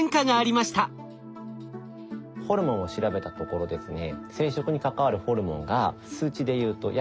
ホルモンを調べたところですね